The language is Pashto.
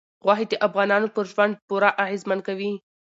غوښې د افغانانو پر ژوند پوره اغېزمن کوي.